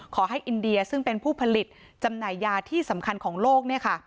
อินเดียซึ่งเป็นผู้ผลิตจำหน่ายยาที่สำคัญของโลก